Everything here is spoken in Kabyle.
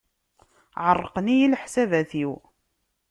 Ɛeṛṛqen-iyi leḥsabat-iw.